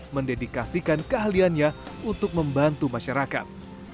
mendedikasikan keahliannya untuk membantu masyarakat